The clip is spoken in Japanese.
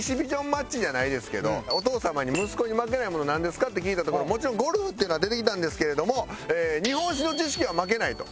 お父様に「息子に負けないものなんですか？」って聞いたところもちろんゴルフっていうのは出てきたんですけれども日本史の知識は負けないと。